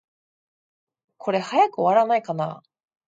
これ、早く終わらないかな。